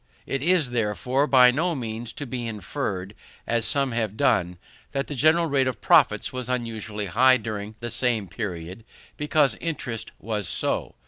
It is, therefore, by no means to be inferred, as some have done, that the general rate of profits was unusually high during the same period, because interest was so.